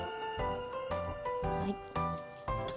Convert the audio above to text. はい。